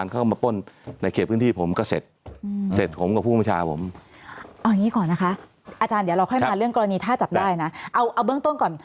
เราเข้ามาต่อกรณีถ้าจับได้นะเอาเรื่องต้นก่อน